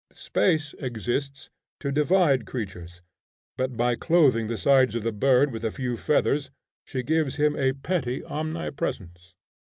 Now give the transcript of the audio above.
Space exists to divide creatures; but by clothing the sides of a bird with a few feathers she gives him a petty omnipresence.